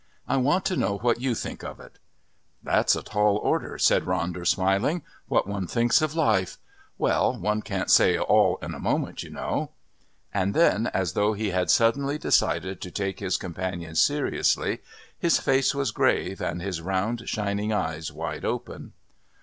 I want to know what you think of it." "That's a tall order," said Ronder, smiling. "What one thinks of life! Well, one can't say all in a moment, you know." And then, as though he had suddenly decided to take his companion seriously, his face was grave and his round shining eyes wide open.